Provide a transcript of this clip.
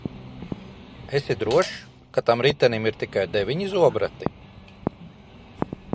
Esi drošs, ka tam ritenim ir tikai deviņi zobrati?